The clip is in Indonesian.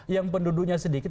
yang penduduknya sedikit